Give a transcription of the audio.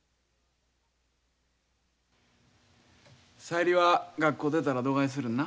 小百合は学校出たらどがいするんな？